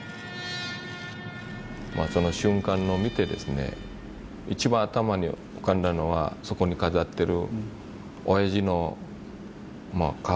その瞬間を見てですね一番頭に浮かんだのはそこに飾ってる。